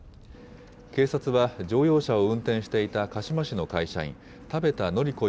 警察は、乗用車を運転していた鹿嶋市の会社員、多部田賀子